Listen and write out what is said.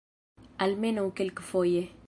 Almenaŭ kelkfoje.